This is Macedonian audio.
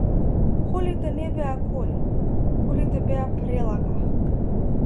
Колите не беа коли, колите беа прелага.